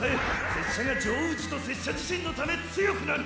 拙者がジョー氏と拙者自身のため強くなる。